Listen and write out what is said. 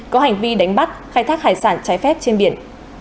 có hành vi đánh bắt khai thác hải sản trái phép trên biển